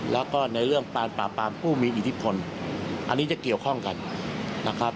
แล้วก็ในเรื่องการปราบปรามผู้มีอิทธิพลอันนี้จะเกี่ยวข้องกันนะครับ